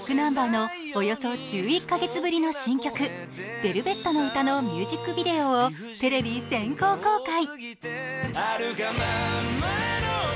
ｂａｃｋｎｕｍｂｅｒのおよそ１１カ月ぶりの新曲、「ベルベットの詩」のミュージックビデオをテレビ先行公開。